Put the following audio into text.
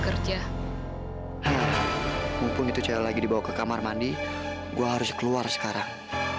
kerja mumpung itu saya lagi dibawa ke kamar mandi gue harus keluar sekarang